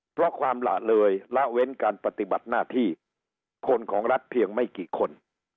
เพราะความหละเลยละเว้นการปฏิบัติหน้าที่คนของรัฐเพียงไม่กี่คน